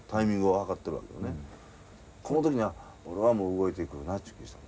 この時には俺はもう動いてくるなっちゅう気ぃしたの。